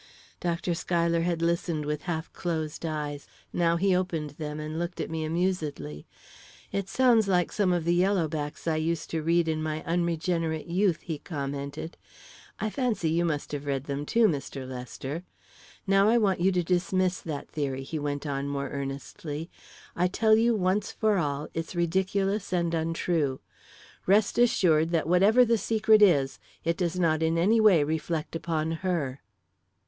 Dr. Schuyler had listened with half closed eyes. Now he opened them and looked at me amusedly. "It sounds like some of the yellow backs I used to read in my unregenerate youth," he commented. "I fancy you must have read them too, Mr. Lester. Now I want you to dismiss that theory," he went on, more earnestly. "I tell you, once for all, it's ridiculous and untrue. Rest assured that whatever the secret is, it does not in any way reflect upon her."